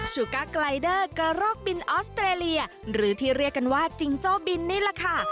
ชูก้าไกลเดอร์กระรอกบินออสเตรเลียหรือที่เรียกกันว่าจิงโจ้บินนี่แหละค่ะ